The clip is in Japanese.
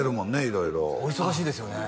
色々お忙しいですよね